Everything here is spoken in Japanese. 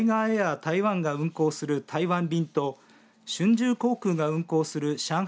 台湾が運航する台湾便と春秋航空が運航する上海